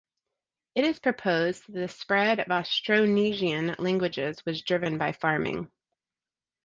It is proposed that the spread of Austronesian languages was driven by farming.